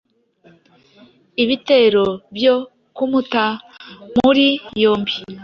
ibitero byo kumuta muri yombi